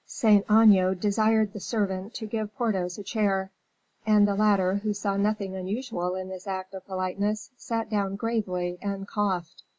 Saint Aignan desired the servant to give Porthos a chair; and the latter, who saw nothing unusual in this act of politeness, sat down gravely and coughed.